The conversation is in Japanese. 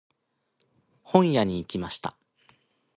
本屋に行きました。